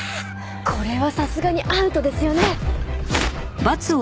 これはさすがにアウトですよね？